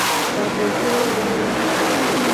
Ka ve ci wo adre.